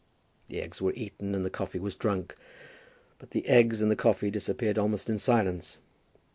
The eggs were eaten and the coffee was drunk, but the eggs and the coffee disappeared almost in silence.